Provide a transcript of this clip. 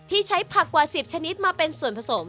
ใช้ผักกว่า๑๐ชนิดมาเป็นส่วนผสม